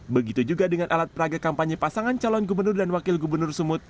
begitu juga dengan alat peraga kampanye pasangan calon gubernur dan wakil gubernur sumut